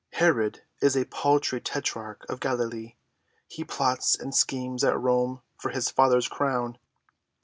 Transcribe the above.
Herod is a paltry tetrarch of Galilee, he plots and schemes at Rome for his father's crown.